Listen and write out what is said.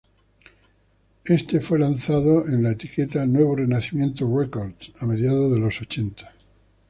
Este fue lanzado en la etiqueta "Nuevo Renacimiento Records" a mediados de los ochenta.